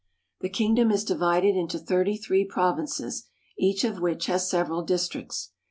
The kingdom is divided into thirty three provinces, each of which has several districts.